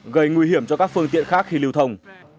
gây nguy hiểm cho các phương tiện khác khi lưu thông